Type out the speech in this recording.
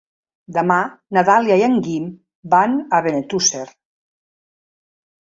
Demà na Dàlia i en Guim van a Benetússer.